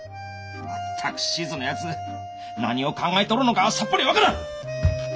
全く志津のやつ何を考えとるのかさっぱり分からん！